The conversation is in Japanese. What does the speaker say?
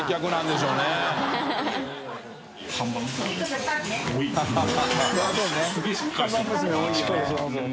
しっかりしてますよね。